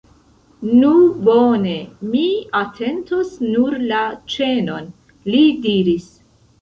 Nu bone, mi atentos nur la ĉenon, li diris.